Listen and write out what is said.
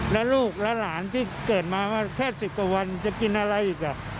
แล้วลูกและหลานที่เกิดมาแค่๑๐กว่าวันจะกินอะไรอีก